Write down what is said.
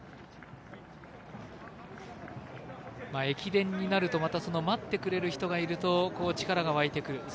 駅伝になると待ってくれる人がいると力がわいてくる。